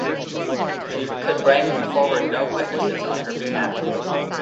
She could bring forward no witnesses on her behalf.